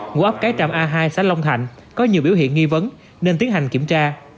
ngũ ấp cái trạm a hai xã long thạnh có nhiều biểu hiện nghi vấn nên tiến hành kiểm tra